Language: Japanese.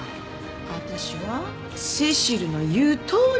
私はセシルの言うとおりにやるの。